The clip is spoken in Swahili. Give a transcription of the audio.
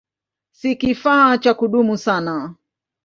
Si kifaa cha kudumu sana.